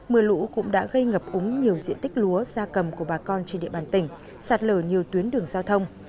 mưa lũ cũng đã gây ngập úng nhiều diện tích lúa da cầm của bà con trên địa bàn tỉnh sạt lở nhiều tuyến đường giao thông